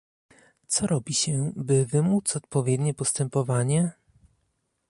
Co robi się, by wymóc odpowiednie postępowanie?